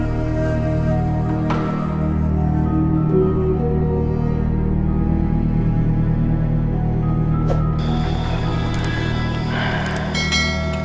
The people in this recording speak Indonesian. kita tidak akan menunggu